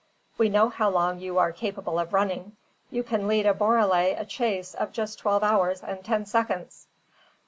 "We know now how long you are capable of running. You can lead a borele a chase of just twelve hours and ten seconds."